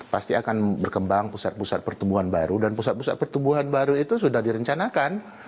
pasti akan berkembang pusat pusat pertumbuhan baru dan pusat pusat pertumbuhan baru itu sudah direncanakan